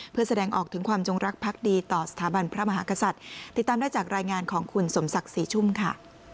เพื่อแสดงออกถึงความจงรักพักดีต่อสถาบันพระมหากษัตริย์ติดตามได้จากรายงานของคุณสมศักดิ์ศรีชุ่มค่ะ